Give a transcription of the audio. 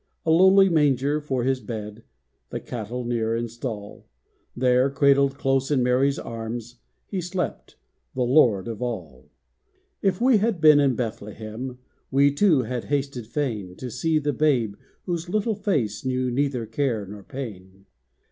A lowly manger for His bed, The cattle near in stall, There, cradled close in Mary's arms, He slept, the Lord of all. If we had been in Bethlehem, We too had hasted fain To see the Babe whose little face Knew neither care nor pain.